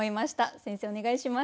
先生お願いします。